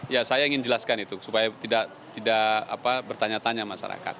ya saya ingin jelaskan itu supaya tidak bertanya tanya masyarakat